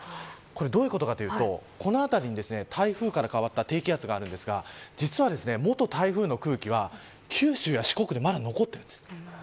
これは、どういうことかというとこの辺りに台風から変わった低気圧があるんですが実は元台風の空気は九州や四国にまだ残っているんです。